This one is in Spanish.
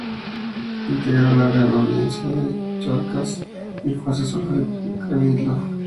Integró la Real Audiencia de Charcas y fue asesor del Cabildo.